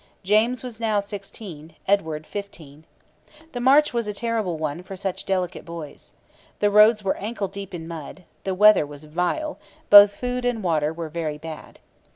James was now sixteen, Edward fifteen. The march was a terrible one for such delicate boys. The roads were ankle deep in mud; the weather was vile; both food and water were very bad.